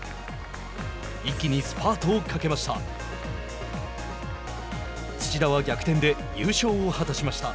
一気にスパートをかけました。